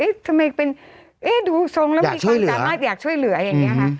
ทำไมเป็นดูทรงแล้วมีความสามารถอยากช่วยเหลืออย่างนี้ค่ะ